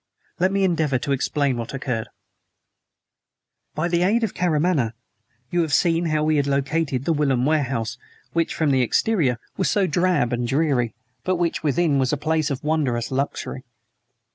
Let me endeavor to explain what occurred. By the aid of Karamaneh, you have seen how we had located the whilom warehouse, which, from the exterior, was so drab and dreary, but which within was a place of wondrous luxury.